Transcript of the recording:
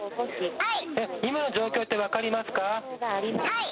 ☎はい。